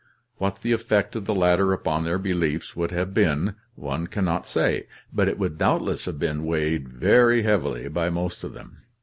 What the effect of the latter upon their beliefs would have been, one can not say, but it would doubtless have been weighed very heavily by most of them.